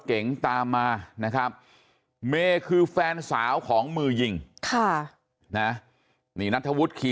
เก๋งตามมานะครับเมย์คือแฟนสาวของมือยิงค่ะนะนี่นัทธวุฒิขี่